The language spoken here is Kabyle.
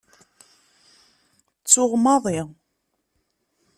Ttuɣ maḍi.